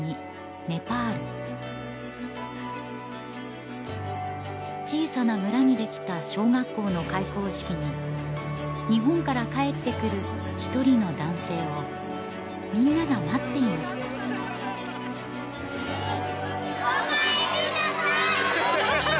ネパール小さな村にできた小学校の開校式に日本から帰ってくる一人の男性をみんなが待っていましたお帰りなさい